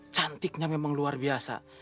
cantiknya memang luar biasa